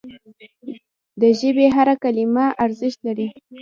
د ژبي هره کلمه ارزښت لري.